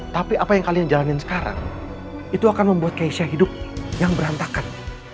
tapi apa yang kalian jalanin sekarang itu akan membuat keisha hidup yang berantakan